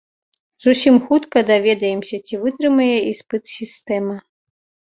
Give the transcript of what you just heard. Зусім хутка даведаемся, ці вытрымае іспыт сістэма.